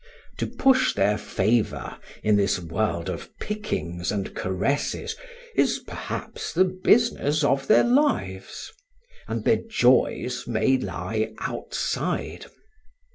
To push their favour in this world of pickings and caresses is, perhaps, the business of their lives; and their joys may lie outside.